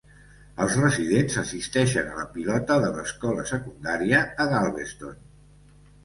Els residents assisteixen a la pilota de l'escola secundària a Galveston.